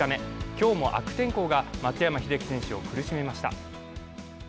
今日も悪天候が松山英樹選手を苦しめました。